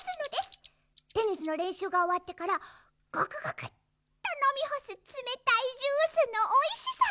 テニスのれんしゅうがおわってからゴクゴクッとのみほすつめたいジュースのおいしさ！